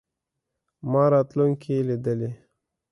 ما راتلونکې لیدلې.